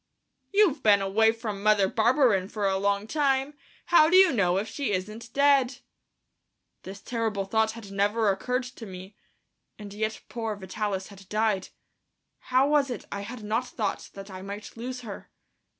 "You've been away from Mother Barberin for a long time; how do you know if she isn't dead?" This terrible thought had never occurred to me, and yet poor Vitalis had died, ... how was it I had not thought that I might lose her....